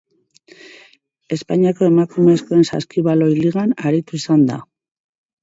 Espainiako Emakumezkoen Saskibaloi Ligan aritu izan da.